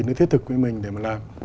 nó thiết thực với mình để mà làm